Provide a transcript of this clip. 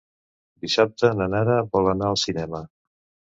Dissabte na Nara vol anar al cinema.